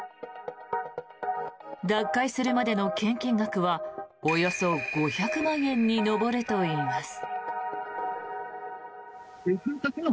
脱会するまでの献金額はおよそ５００万円に上るといいます。